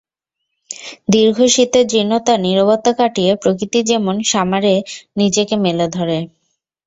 দীর্ঘ শীতের জীর্ণতা, নীরবতা কাটিয়ে প্রকৃতি যেমন সামারে নিজেকে মেলে ধরে।